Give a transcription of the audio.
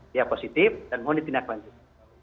dia positif dan mohon ditindak lanjut